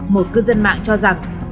một cư dân mạng cho rằng